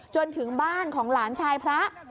จนถึงบ้านของหลานชายพระ